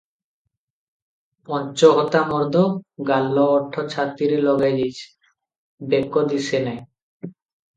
ପଞ୍ଚ ହତା ମର୍ଦ, ଗାଲ ଓଠ ଛାତିରେ ଲାଗିଯାଇଛି, ବେକ ଦିଶେ ନାହିଁ ।